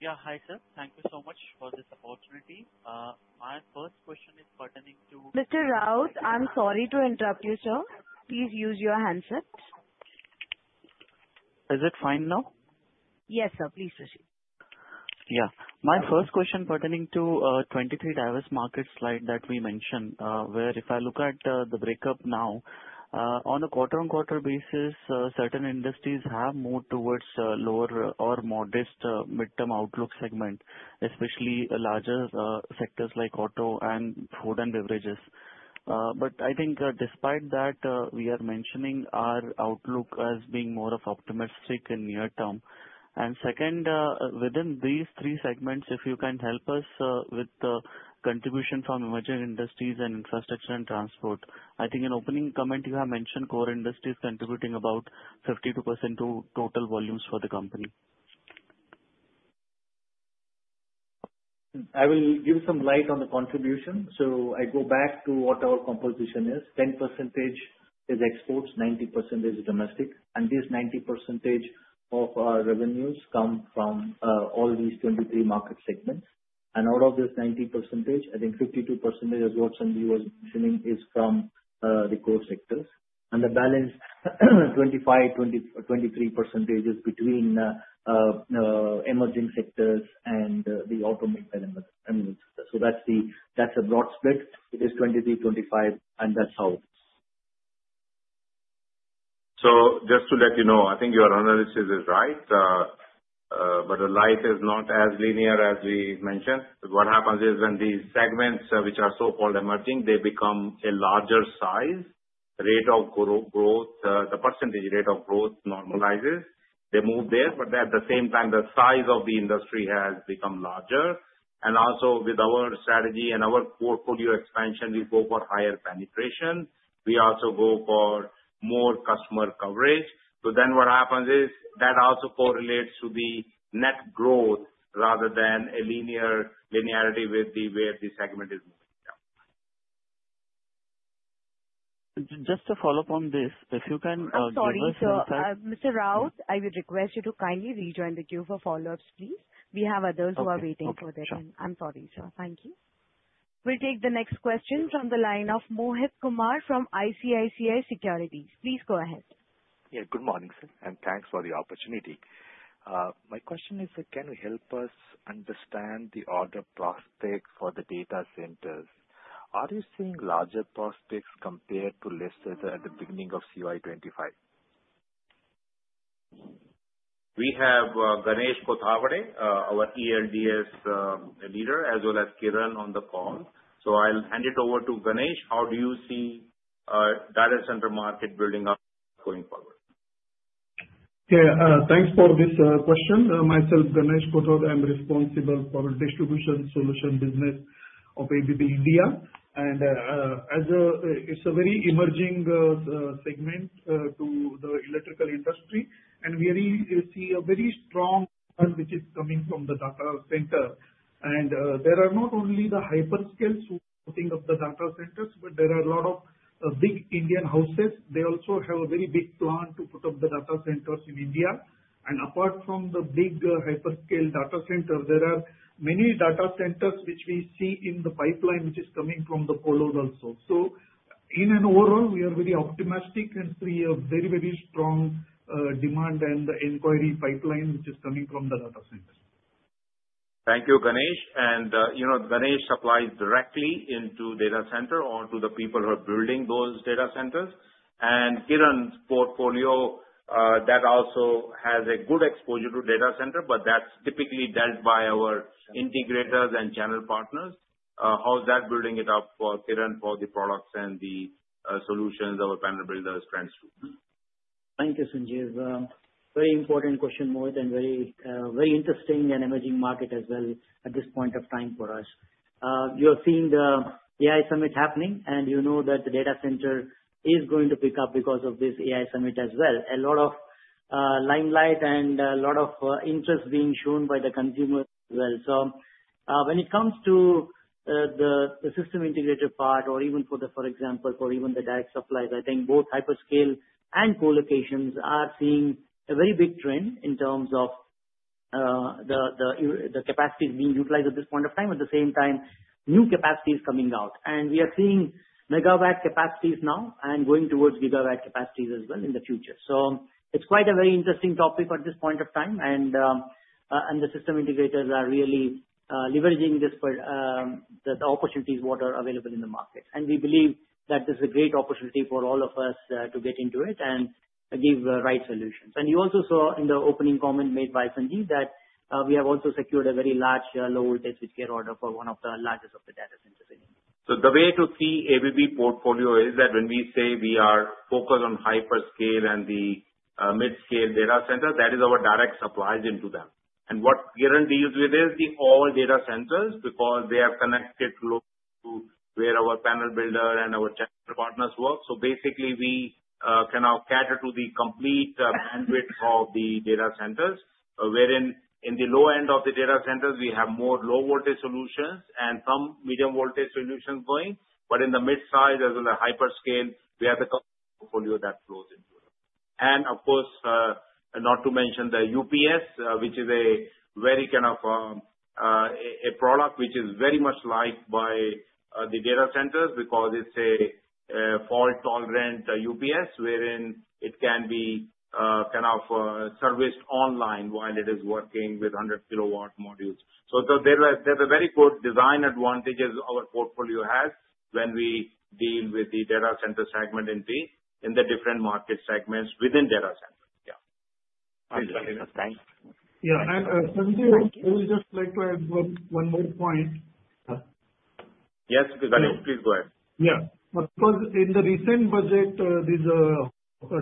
Yeah. Hi, sir. Thank you so much for this opportunity. My first question is pertaining to- Mr. Raut, I'm sorry to interrupt you, sir. Please use your handset. Is it fine now? Yes, sir. Please proceed. Yeah. My first question pertaining to 23 diverse markets slide that we mentioned, where if I look at the breakup now, on a quarter-on-quarter basis, certain industries have moved towards lower or modest midterm outlook segment, especially larger sectors like auto and food and beverages. I think, despite that, we are mentioning our outlook as being more of optimistic in near term. Second, within these three segments, if you can help us with the contribution from emerging industries and infrastructure and transport. I think in opening comment, you have mentioned core industries contributing about 52% to total volumes for the company. I will give some light on the contribution. I go back to what our composition is. 10% is exports, 90% is domestic, and this 90% of our revenues come from all these 23 market segments. Out of this 90%, I think 52%, as what Sanjay was mentioning, is from the core sectors. The balance, 25%, 23% is between emerging sectors and the auto segment. I mean, That's a broad split. It is 23, 25, and that's how. Just to let you know, I think your analysis is right. The life is not as linear as we mentioned. What happens is, when these segments, which are so-called emerging, they become a larger size, rate of growth, the percentage rate of growth normalizes. They move there, but at the same time, the size of the industry has become larger. Also with our strategy and our portfolio expansion, we go for higher penetration. We also go for more customer coverage. Then what happens is, that also correlates to the net growth rather than a linear, linearity with the way the segment is moving. Yeah. Just to follow up on this, if you can... I'm sorry, sir. Mr. Rao, I would request you to kindly rejoin the queue for follow-ups, please. We have others who are waiting over there. Okay. Sure. I'm sorry, sir. Thank you. We'll take the next question from the line of Mohit Kumar from ICICI Securities. Please go ahead. Yeah, good morning, sir. Thanks for the opportunity. My question is, can you help us understand the order prospects for the data centers? Are you seeing larger prospects compared to lesser than at the beginning of CY 2025? We have Ganesh Kothavade, our ELDS leader, as well as Kiran on the call. I'll hand it over to Ganesh. How do you see data center market building up going forward? Yeah, thanks for this question. Myself, Ganesh Kothavade, I'm responsible for distribution solution business of ABB India, and as a, it's a very emerging segment to the electrical industry, and we really see a very strong current which is coming from the data center. There are not only the hyperscalers who are putting up the data centers, but there are a lot of big Indian houses. They also have a very big plan to put up the data centers in India. Apart from the big hyperscale data centers, there are many data centers which we see in the pipeline, which is coming from the colos also. In an overall, we are very optimistic and see a very, very strong demand and inquiry pipeline, which is coming from the data centers. Thank you, Ganesh. You know, Ganesh supplies directly into data center or to the people who are building those data centers. Kiran's portfolio, that also has a good exposure to data center, but that's typically dealt by our integrators and channel partners. How's that building it up for Kiran, for the products and the solutions our panel builders transfer? Thank you, Sanjeev. Very important question, Mohit, and very interesting and emerging market as well at this point of time for us. You're seeing the AI summit happening, and you know that the data center is going to pick up because of this AI summit as well. A lot of limelight and a lot of interest being shown by the consumer as well. When it comes to the system integrator part or even for example, for even the direct suppliers, I think both hyperscale and co-locations are seeing a very big trend in terms of the capacity being utilized at this point of time. At the same time, new capacity is coming out, and we are seeing megawatt capacities now and going towards gigawatt capacities as well in the future. It's quite a very interesting topic at this point of time, and the system integrators are really leveraging this for the opportunities what are available in the market. We believe that this is a great opportunity for all of us to get into it and give the right solutions. You also saw in the opening comment made by Sanjeev, that we have also secured a very large low voltage switchgear order for one of the largest of the data centers in India. The way to see ABB portfolio is that when we say we are focused on hyperscale and the mid-scale data center, that is our direct supplies into them. What Kiran deals with is the all data centers, because they are connected locally to where our panel builder and our channel partners work. Basically, we can now cater to the complete bandwidth of the data centers. Wherein in the low end of the data centers, we have more low voltage solutions and some medium voltage solutions going, but in the mid-size as in the hyperscale, we have a portfolio that flows into it. Of course, not to mention the UPS, which is a very kind of product which is very much liked by the data centers because it's a fault-tolerant UPS, wherein it can be kind of serviced online while it is working with 100 kilowatt modules. There are very good design advantages our portfolio has when we deal with the data center segment and the, in the different market segments within data centers. Yeah. Thanks. Yeah, Sanjeev, I would just like to add one more point. Yes, Ganesh, please go ahead. Yeah. Because in the recent budget, this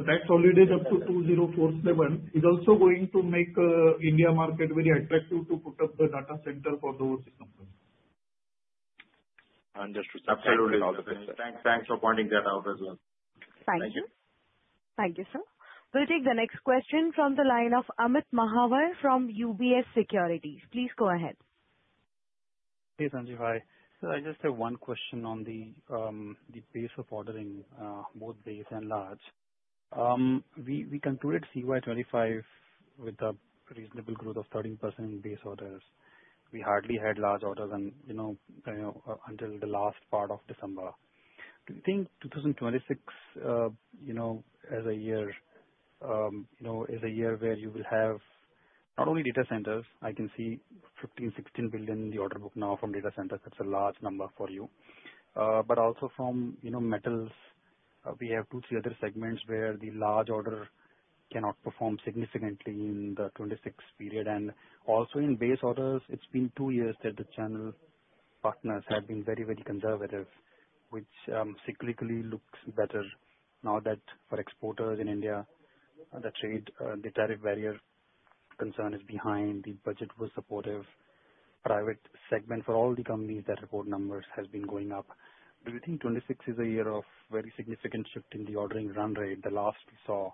tax holiday up to 2047, is also going to make India market very attractive to put up the data center for those companies. And just to- Absolutely. Thanks, thanks for pointing that out as well. Thank you. Thank you. Thank you, sir. We'll take the next question from the line of Amit Mahawar from UBS Securities. Please go ahead. Hey, Sanjeev. Hi. I just have one question on the pace of ordering, both base and large. We concluded CY 2025 with a reasonable growth of 13% base orders. We hardly had large orders and, you know, you know, until the last part of December. Do you think 2026, you know, as a year, you know, is a year where you will have not only data centers, I can see 15 billion-16 billion in the order book now from data centers, that's a large number for you. But also from, you know, metals, we have two, three other segments where the large order cannot perform significantly in the 2026 period. Also in base orders, it's been two years that the channel partners have been very, very conservative, which, cyclically looks better now that for exporters in India, the trade, the tariff barrier concern is behind. The budget was supportive. Private segment for all the companies that report numbers has been going up. Do you think 2026 is a year of very significant shift in the ordering run rate, the last we saw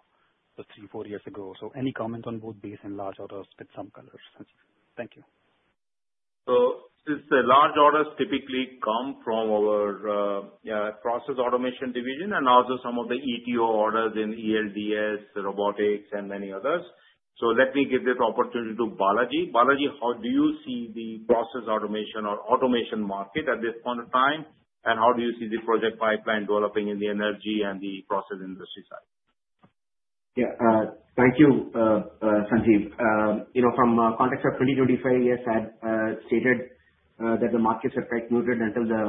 was three, four years ago? Any comment on both base and large orders with some colors. Thank you. Since the large orders typically come from our process automation division and also some of the ETO orders in ELDS, robotics, and many others. Let me give this opportunity to Balaji. Balaji, how do you see the process automation or automation market at this point in time? How do you see the project pipeline developing in the energy and the process industry side? Yeah. Thank you, Sanjeev. You know, from a context of 2023, yes, I'd stated that the markets are quite muted until the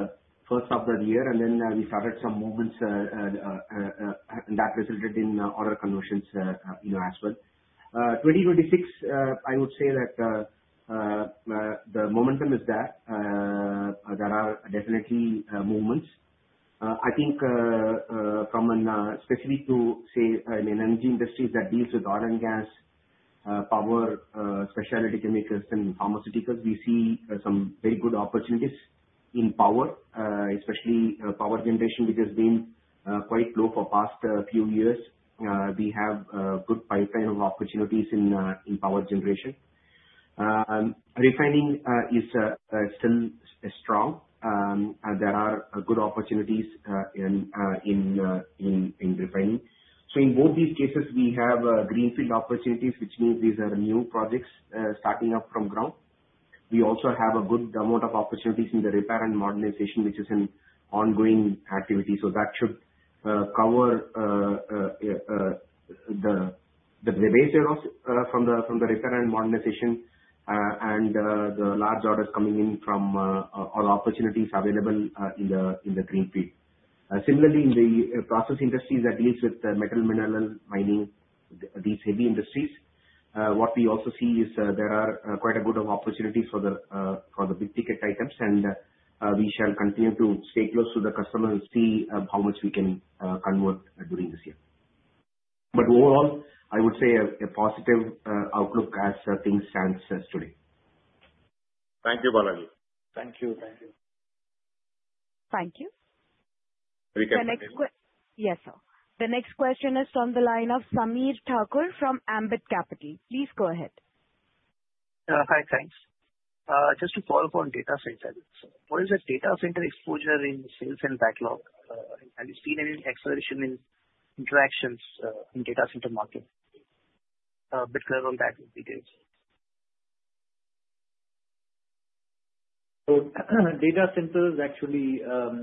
first half of the year, and then we started some movements, and that resulted in order conversions, you know, as well. 2026, I would say that the momentum is there. There are definitely movements. I think from an specific to, say, in energy industries that deals with oil and gas, power, specialty chemicals and pharmaceuticals, we see some very good opportunities in power, especially power generation, which has been quite low for past few years. We have a good pipeline of opportunities in in power generation. Refining is still strong. There are good opportunities in refining. In both these cases, we have greenfield opportunities, which means these are new projects starting up from ground. We also have a good amount of opportunities in the repair and modernization, which is an ongoing activity, so that should cover the base year of from the from the repair and modernization, and the large orders coming in from all opportunities available in the greenfield. Similarly, in the process industries, that deals with metal, mineral, mining, these heavy industries, what we also see is there are quite a good of opportunities for the for the big-ticket items. We shall continue to stay close to the customer and see how much we can convert during this year. Overall, I would say a positive outlook as things stand as today. Thank you, Balaji. Thank you. Thank you. Thank you. We can continue. The next yes, sir. The next question is from the line of Samir Thakur from Ambit Capital. Please go ahead. Hi. Thanks. Just to follow up on data centers. What is the data center exposure in sales and backlog? Have you seen any acceleration in interactions in data center market? A bit clear on that, if it is. Data centers actually,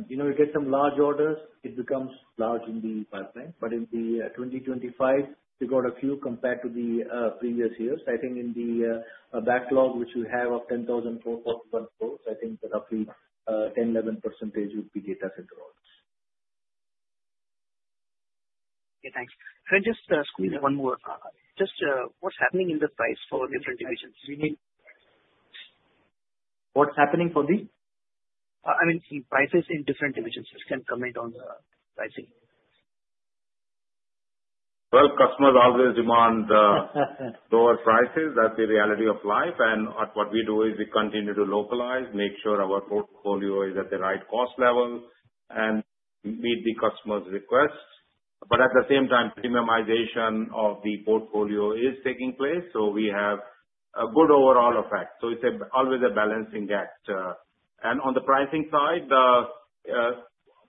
you know, you get some large orders, it becomes large in the pipeline. In the 2025, we got a few compared to the previous years. I think in the backlog, which we have of 10,404, so I think roughly 10%-11% would be data center orders. Okay, thanks. Can I just squeeze in one more? Just, what's happening in the price for different divisions? Do you mean- What's happening for the? I mean, the prices in different divisions. Just can comment on the pricing. Well, customers always demand lower prices. That's the reality of life. What we do is we continue to localize, make sure our portfolio is at the right cost level and meet the customer's requests. At the same time, premiumization of the portfolio is taking place, so we have a good overall effect. It's a, always a balancing act. And on the pricing side,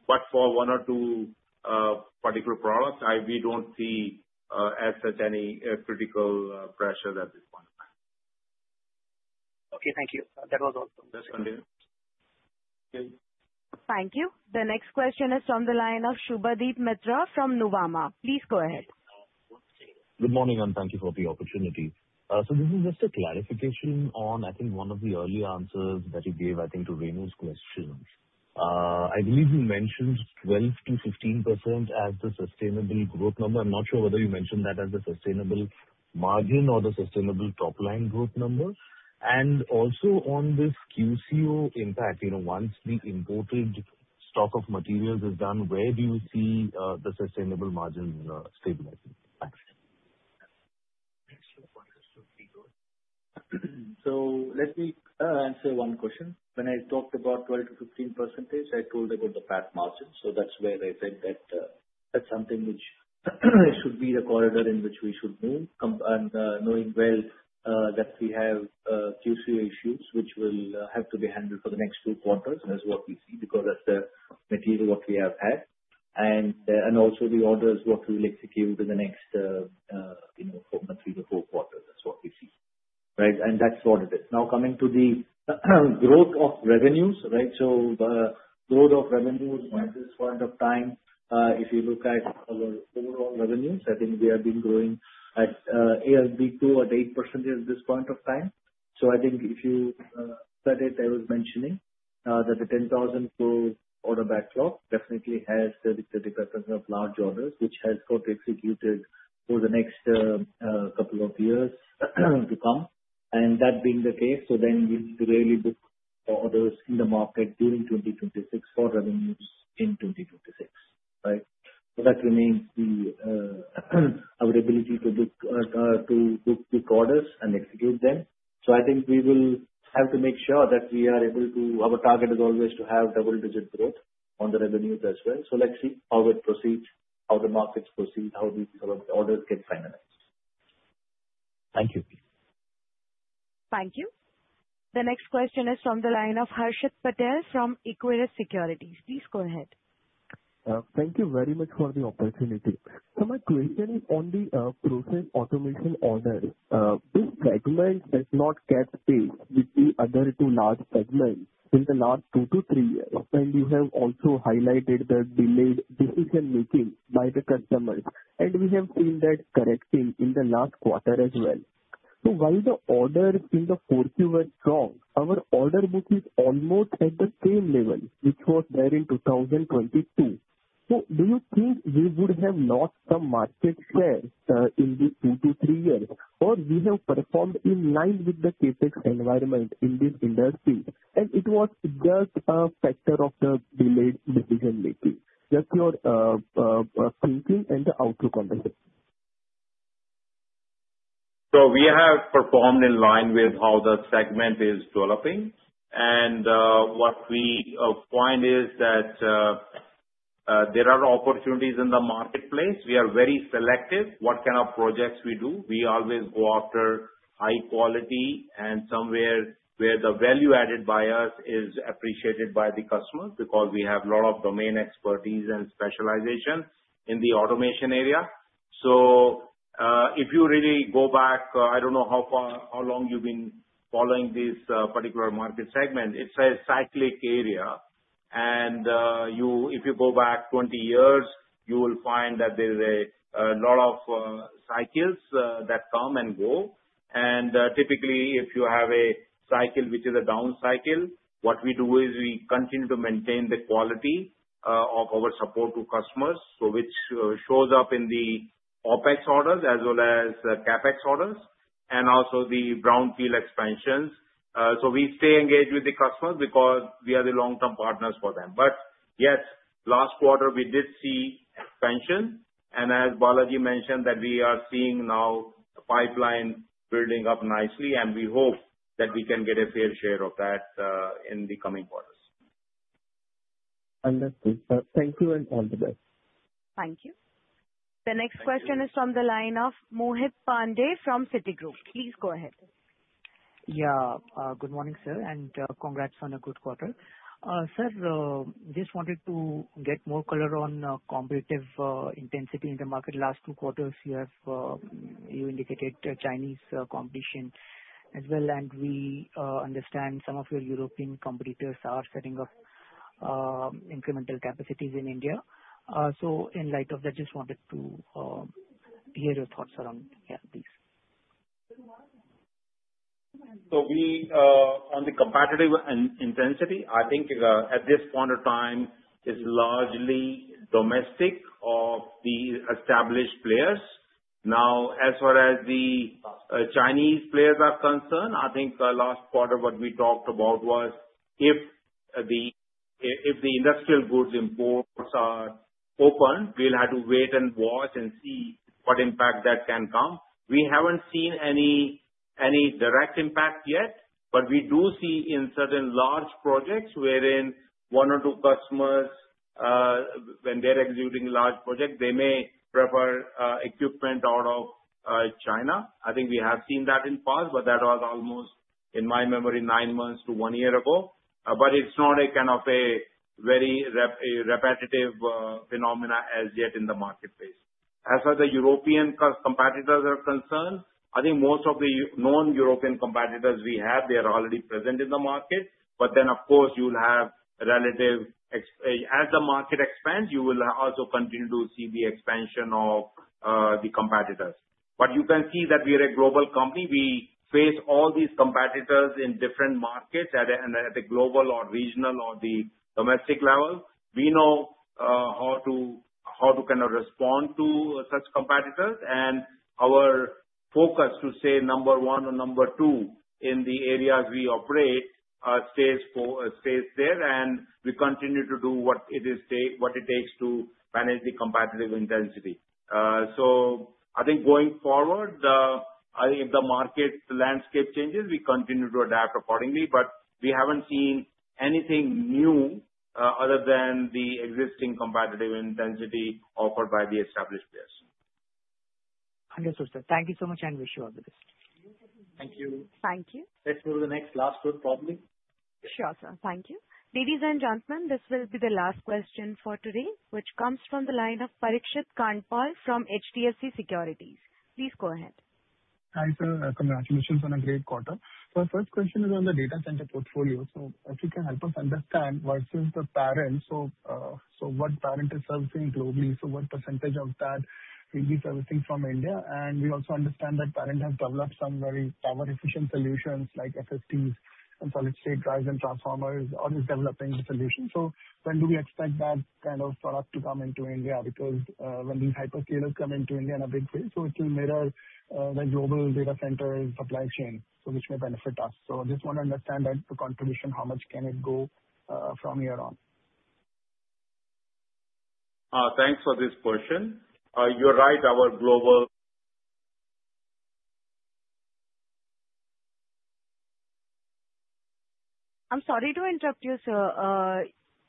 but for one or two particular products, we don't see as such, any critical pressures at this point in time. Okay, thank you. That was all. Yes, thank you. Thank you. The next question is from the line of Subhadip Mitra from Nuvama. Please go ahead. Good morning, and thank you for the opportunity. This is just a clarification on, I think, one of the early answers that you gave, I think, to Renu's question. I believe you mentioned 12%-15% as the sustainable growth number. I'm not sure whether you mentioned that as the sustainable margin or the sustainable top-line growth number. Also, on this QCO impact, you know, once the imported stock of materials is done, where do you see the sustainable margin stabilizing? Thanks. Let me answer one question. When I talked about 12%-15%, I told about the PAT margin. That's where I said that that's something which should be the corridor in which we should move. Knowing well that we have QCO issues, which will have to be handled for the next two quarters, that's what we see, because that's the material what we have had. Also the orders what we will execute in the next, you know, four months to four quarters. That's what we see, right? That's what it is. Now, coming to the growth of revenues, right? The growth of revenues at this point of time, if you look at our overall revenues, I think we have been growing at ABB two at 8% at this point of time. I think if you studied, I was mentioning that the 10,000 growth order backlog definitely has the presence of large orders, which has got executed for the next couple of years to come. That being the case, we need to really book orders in the market during 2026 for revenues in 2026, right? That remains the our ability to book orders and execute them. I think we will have to make sure that we are able to. Our target is always to have double-digit growth on the revenues as well. Let's see how it proceeds, how the markets proceed, how the orders get finalized. Thank you. Thank you. The next question is from the line of Harshit Patel from Aquarius Securities. Please go ahead. Thank you very much for the opportunity. My question is on the process automation order. This segment does not get pace with the other two large segments in the last two to three years. You have also highlighted the delayed decision-making by the customers, and we have seen that correcting in the last quarter as well. While the orders in the fourth were strong, our order book is almost at the same level, which was there in 2022. Do you think we would have lost some market share in the two to three years, or we have performed in line with the CapEx environment in this industry, and it was just a factor of the delayed decision-making? Just your thinking and the outlook on this. We have performed in line with how the segment is developing. What we find is that there are opportunities in the marketplace. We are very selective what kind of projects we do. We always go after high quality and somewhere where the value added by us is appreciated by the customers, because we have a lot of domain expertise and specialization in the automation area. If you really go back, I don't know how far, how long you've been following this particular market segment, it's a cyclic area. If you go back 20 years, you will find that there is a lot of cycles that come and go. Typically, if you have a cycle, which is a down cycle, what we do is we continue to maintain the quality of our support to customers, so which shows up in the OpEx orders as well as the CapEx orders and also the brownfield expansions. We stay engaged with the customers because we are the long-term partners for them. Yes, last quarter we did see expansion, and as Balaji mentioned, that we are seeing now the pipeline building up nicely, and we hope that we can get a fair share of that in the coming quarters. Understood, sir. Thank you and all the best. Thank you. Thank you. The next question is from the line of Mohit Pandey from Citigroup. Please go ahead. Yeah. Good morning, sir, and congrats on a good quarter. Sir, just wanted to get more color on competitive intensity in the market. Last two quarters, you have, you indicated Chinese competition as well, and we, understand some of your European competitors are setting up incremental capacities in India. In light of that, just wanted to hear your thoughts around, yeah, please. We, on the competitive intensity, I think, at this point of time, is largely domestic of the established players. As far as the Chinese players are concerned, I think the last quarter, what we talked about was if the industrial goods imports are open, we'll have to wait and watch and see what impact that can come. We haven't seen any, any direct impact yet, but we do see in certain large projects wherein one or two customers, when they're executing large projects, they may prefer equipment out of China. I think we have seen that in the past, but that was almost, in my memory, nine months to one year ago. It's not a kind of a very repetitive phenomena as yet in the marketplace. As far as the European competitors are concerned, I think most of the known European competitors we have, they are already present in the market. Of course, you'll have relative ex- as the market expands, you will also continue to see the expansion of the competitors. You can see that we are a global company. We face all these competitors in different markets at a, at a global or regional or the domestic level. We know how to, how to kind of respond to such competitors, and our focus to stay number one or number two in the areas we operate, stays there, and we continue to do what it is take, what it takes to manage the competitive intensity. I think going forward, I think if the market landscape changes, we continue to adapt accordingly, but we haven't seen anything new, other than the existing competitive intensity offered by the established players. Understood, sir. Thank you so much, and wish you all the best. Thank you. Thank you. Let's move to the next, last one, probably. Sure, sir. Thank you. Ladies and gentlemen, this will be the last question for today, which comes from the line of Parikshit Kandpal from HDFC Securities. Please go ahead. Hi, sir. Congratulations on a great quarter. First question is on the data center portfolio. If you can help us understand what is the parent, what parent is servicing globally, what percentage of that will be servicing from India? We also understand that parent has developed some very power efficient solutions like SSTs and solid state drives and transformers, or is developing the solution. When do we expect that kind of product to come into India? Because, when these hyperscalers come into India in a big way, so it will mirror the global data center supply chain, so which may benefit us. I just want to understand that, the contribution, how much can it go from here on? Thanks for this question. You're right, our global- I'm sorry to interrupt you, sir.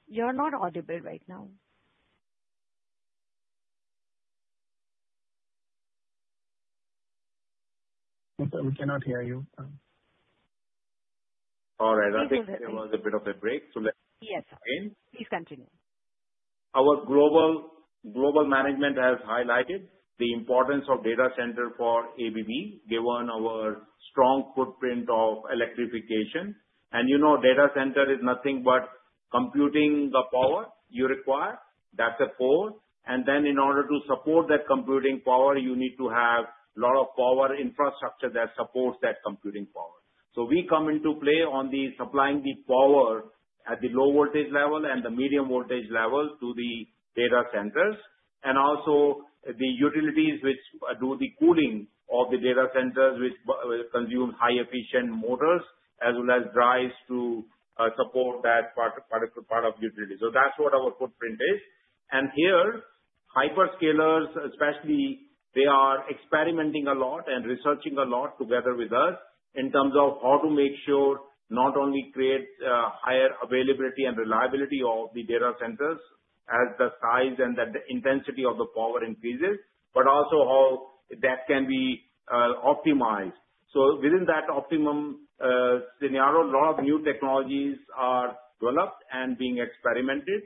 You're not audible right now. Yes, sir, we cannot hear you. All right. I think there was a bit of a break. Let's begin. Yes, sir. Please continue. Our global, global management has highlighted the importance of data center for ABB, given our strong footprint of electrification. You know, data center is nothing but computing the power you require, that's a core. In order to support that computing power, you need to have a lot of power infrastructure that supports that computing power. We come into play on the supplying the power at the low voltage level and the medium voltage level to the data centers, and also the utilities which do the cooling of the data centers, which consume high efficient motors, as well as drives to support that part, part of, part of utility. That's what our footprint is. Here, hyperscalers especially, they are experimenting a lot and researching a lot together with us in terms of how to make sure not only create higher availability and reliability of the data centers as the size and the intensity of the power increases, but also how that can be optimized. Within that optimum scenario, a lot of new technologies are developed and being experimented.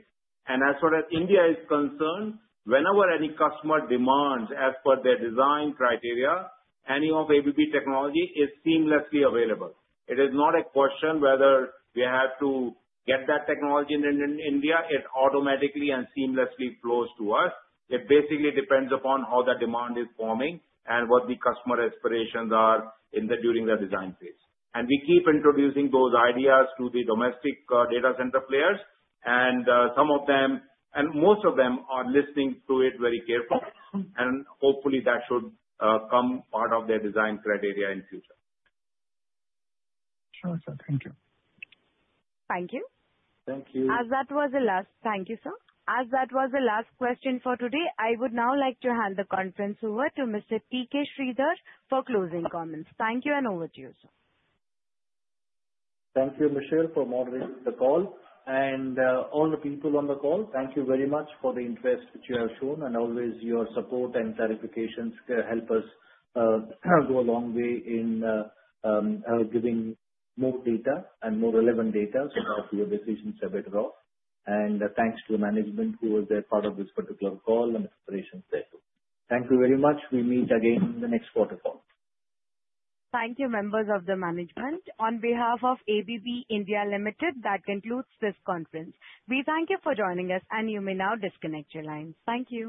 As far as India is concerned, whenever any customer demands as per their design criteria, any of ABB technology is seamlessly available. It is not a question whether we have to get that technology in, in India, it automatically and seamlessly flows to us. It basically depends upon how the demand is forming and what the customer aspirations are in the during the design phase. We keep introducing those ideas to the domestic data center players. Some of them, and most of them are listening to it very carefully, and hopefully that should come part of their design criteria in future. Sure, sir. Thank you. Thank you. Thank you. Thank you, sir. As that was the last question for today, I would now like to hand the conference over to Mr. T.K. Sridhar for closing comments. Thank you, and over to you, sir. Thank you, Michelle, for moderating the call. All the people on the call, thank you very much for the interest which you have shown, and always your support and clarifications help us go a long way in giving more data and more relevant data, so your decisions are better off. Thanks to the management who was a part of this particular call and inspirations there too. Thank you very much. We meet again in the next quarter call. Thank you, members of the management. On behalf of ABB India Limited, that concludes this conference. We thank you for joining us, and you may now disconnect your lines. Thank you.